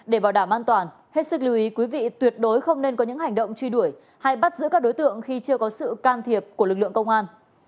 để bảo đảm an toàn hết sức lưu ý quý vị tuyệt đối không nên có những hành động truy đuổi hay bắt giữ các đối tượng khi chưa có sự can thiệp của lực lượng công an